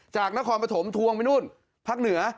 จากนครปฐมทวงไปนู่นภาคเหนือ